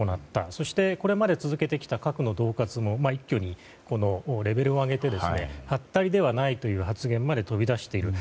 そしてこれまで続けてきた核の恫喝も一挙にレベルを上げてはったりではないという発言まで飛び出している。